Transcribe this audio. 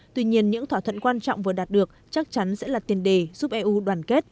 tuy nhiên những thỏa thuận quan trọng vừa đạt được chắc chắn sẽ là tiền đề giúp eu đoàn kết